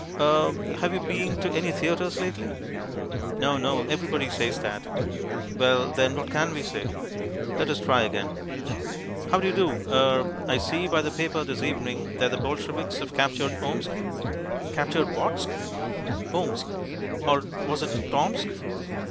"Er have you been to any theatres lately?" No, no, everybody says that. Well, then, what can we say? Let us try again. "How do you do. Er I see by the paper this evening that the Bolsheviks have captured Omsk." "Captured Whatsk?" "Omsk." Or was it Tomsk?